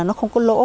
nó không có lỗ